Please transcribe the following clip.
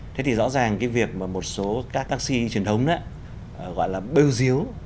thế thì rõ ràng cái việc mà một số các taxi truyền thống đó gọi là bêu diếu